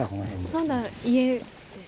まだ家ですね。